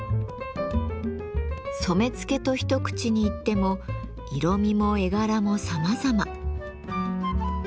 染付と一口に言っても色みも絵柄もさまざま。